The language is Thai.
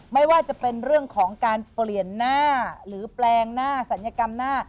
ไม่ว่าจะเป็นเรื่องของการเปลี่ยนหน้าหรือแปลงหน้าศัลยกรรมหน้า